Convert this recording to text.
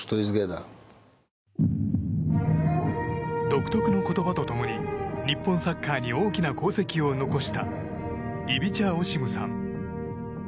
独特の言葉と共に日本サッカーに大きな功績を残したイビチャ・オシムさん。